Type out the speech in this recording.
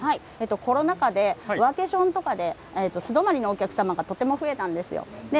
コロナ禍でワーケーションとかで素泊まりのお客様がとても増えたんです。